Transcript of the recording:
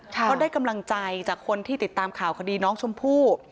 ก็ได้กำลังใจจากคนที่ติดตามข่าวคดีน้องชมพู่